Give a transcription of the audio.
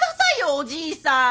おじいさん。